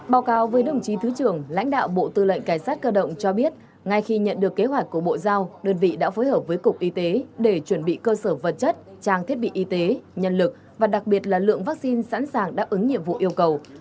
báo cáo với đồng chí thứ trưởng lãnh đạo bộ tư lệnh cảnh sát cơ động cho biết ngay khi nhận được kế hoạch của bộ giao đơn vị đã phối hợp với cục y tế để chuẩn bị cơ sở vật chất trang thiết bị y tế nhân lực và đặc biệt là lượng vaccine sẵn sàng đáp ứng nhiệm vụ yêu cầu